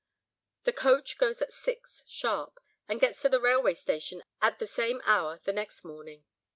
"The coach goes at six, sharp; and gets to the railway station at the same hour the next morning.